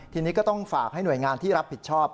ทีนี้ก็ต้องฝากให้หน่วยงานที่รับผิดชอบ